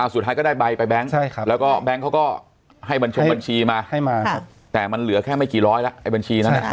สุดท้ายก็ได้ใบไปแบงค์แล้วก็แบงค์เขาก็ให้บัญชงบัญชีมาให้มาแต่มันเหลือแค่ไม่กี่ร้อยแล้วไอ้บัญชีนั้น